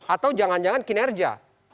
atau jangan jangan kinerja